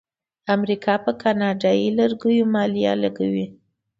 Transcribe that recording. امریکا پر کاناډایی لرګیو مالیه لګوي.